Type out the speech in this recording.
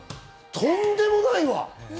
とんでもないわ！